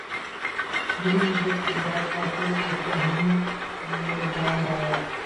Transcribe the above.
بڑی مدت کے بعد آخر وہ شاہیں زیر دام آیا